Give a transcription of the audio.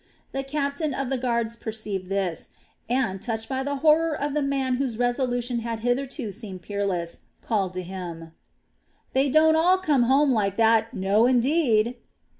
The captain of the guards perceived this and, touched by the horror of the man whose resolution had hitherto seemed peerless, called to him: "They don't all come home like that, no indeed!"